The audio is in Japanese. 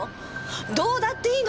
どうだっていいの！